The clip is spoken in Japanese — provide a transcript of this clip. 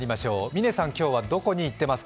嶺さん、今日はどこに行っていますか？